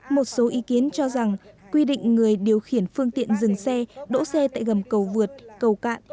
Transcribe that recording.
một số ý kiến cho rằng quy định người điều khiển phương tiện dừng xe đỗ xe tại gầm cầu vượt cầu cạn